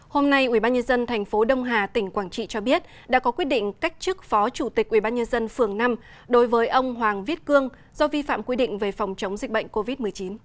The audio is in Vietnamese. hôm nay ubnd tp đông hà tỉnh quảng trị cho biết đã có quyết định cách chức phó chủ tịch ubnd phường năm đối với ông hoàng viết cương do vi phạm quy định về phòng chống dịch bệnh covid một mươi chín